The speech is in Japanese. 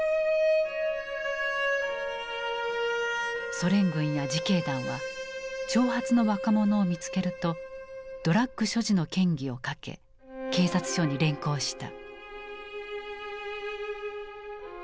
ソ連軍や自警団は長髪の若者を見つけるとドラッグ所持の嫌疑をかけ警察署に連行した。